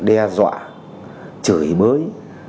đe dọa chửi mới